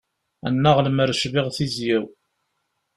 Annaɣ lemmer cbiɣ tizya-w.